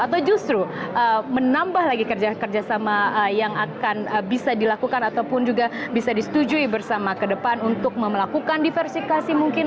atau justru menambah lagi kerja kerjasama yang akan bisa dilakukan ataupun juga bisa disetujui bersama ke depan untuk melakukan diversifikasi mungkin